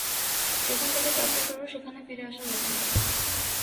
যেখান থেকে যাত্রা শুরু সেখানে ফিরে আসা যাবে না।